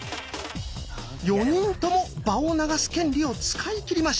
４人とも場を流す権利を使い切りました。